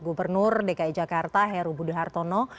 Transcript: gubernur dki jakarta heru buduhartono